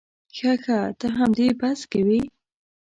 ښه ښه ته همدې بس کې وې.